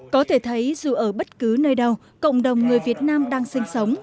có thể thấy dù ở bất cứ nơi đâu cộng đồng người việt nam đang sinh sống